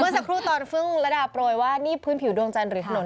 เมื่อสักครู่ตอนเพิ่งระดาบปล่อยว่านี่พื้นผิวดวงจันทร์หรือถนน